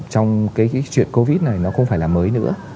trong cái chuyện covid này nó không phải là mới nữa